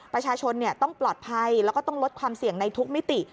ประชาชนต้องปลอดภัยแล้วก็ต้องลดความเสี่ยงในทุกมิติ